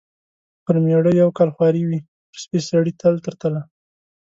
پر مېړه یو کال خواري وي، پر سپي سړي تل تر تله.